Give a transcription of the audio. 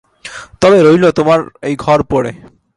তবে রইল তোমার এই ঘর পড়ে।